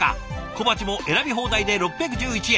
小鉢も選び放題で６１１円。